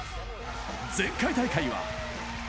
前回大会は。